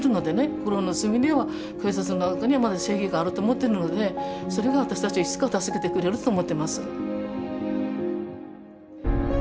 心の隅には警察の中にはまだ正義があると思ってるのでそれが私たちをいつか助けてくれると思ってます。